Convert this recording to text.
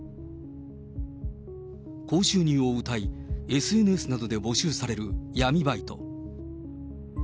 高収入をうたい、ＳＮＳなどで募集される闇バイト。